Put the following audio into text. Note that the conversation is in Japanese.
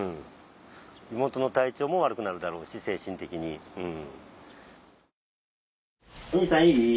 妹の体調も悪くなるだろうし精神的にうん。